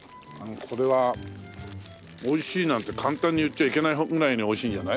これはおいしいなんて簡単に言っちゃいけないぐらいにおいしいんじゃない？